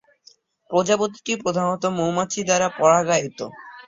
প্রজাতিটি প্রধানত মৌমাছি দ্বারা পরাগায়িত।